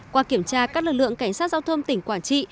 qua kiểm tra các lực lượng cảnh sát giao thông tỉnh quảng trị